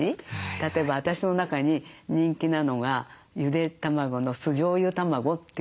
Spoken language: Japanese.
例えば私の中に人気なのがゆで卵の酢じょうゆ卵というのがあるんですけど。